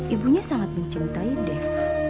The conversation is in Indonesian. ibunya sangat mencintai dev